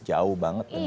jauh banget dengan hits